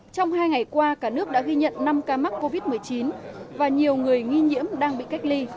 trong hai ngày qua cả nước đã ghi nhận năm ca mắc covid một mươi chín và nhiều người nghi nhiễm đang bị cách ly